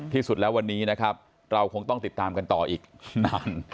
ที่สุดแล้ววันนี้นะครับเราคงต้องติดตามกันต่ออีกนาน